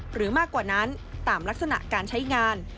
หรือมากกว่านั้นตามลักษณะการใช้งาน